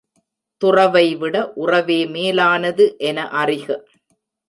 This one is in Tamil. துறவைவிட உறவே மேலானது என அறிக.